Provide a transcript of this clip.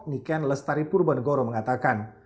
niken lestari purwonegoro mengatakan